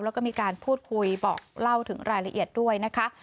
แล้วก็มีการพูดคุยบอกเล่าถึงรายละเอียดด้วยนะคะ